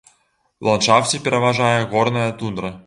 У ландшафце пераважае горная тундра.